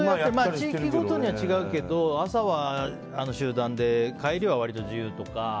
地域ごとに違うけど朝は集団で帰りは自由とか。